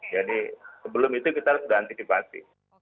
jadi sebelum itu kita harus berantisipasi